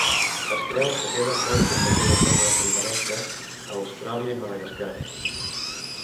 Es creu que queden restes d'aquella terra primerenca a Austràlia i Madagascar.